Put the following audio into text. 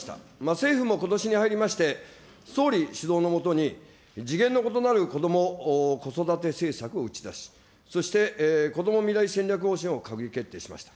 政府もことしに入りまして、総理主導の下に、次元の異なるこども・子育て政策を打ち出し、そして、こども未来戦略方針を閣議決定しました。